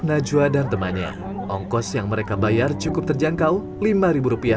antara membela rakyat dan gedung